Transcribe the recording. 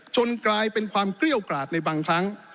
กลายเป็นความเกลี้ยวกราดในบางครั้ง